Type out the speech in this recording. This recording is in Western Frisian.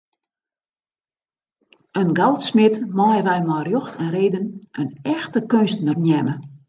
In goudsmid meie wy mei rjocht en reden in echte keunstner neame.